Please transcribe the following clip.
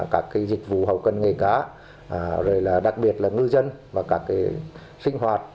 các dịch vụ hậu cân nghề cá đặc biệt là ngư dân và các sinh hoạt